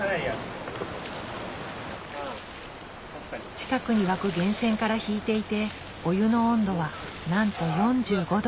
近くに湧く源泉から引いていてお湯の温度はなんと４５度。